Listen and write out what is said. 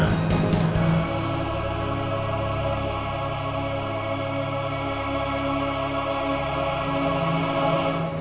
kau akan mencobanya